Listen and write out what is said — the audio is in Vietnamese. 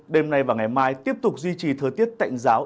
đêm nay và ngày mai tiếp tục duy trì thời tiết tạnh giáo